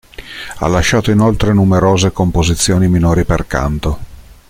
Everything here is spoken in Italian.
Ha lasciato inoltre numerose composizioni minori per canto.